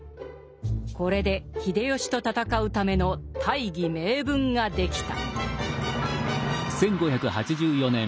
これで秀吉と戦うための大義名分ができた。